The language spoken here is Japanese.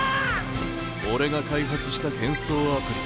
俺が開発した変装アプリ。